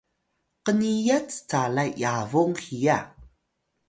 qniyat calay Yabung hiya